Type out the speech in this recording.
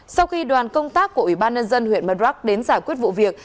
sau khi đoàn công tác của ủy ban nhân dân huyện murdrock đến giải quyết vụ việc